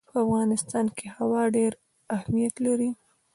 په افغانستان کې هوا ډېر اهمیت لري.